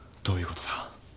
どういうことだ？